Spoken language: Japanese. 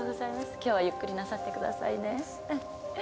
今日はゆっくりなさってくださいね。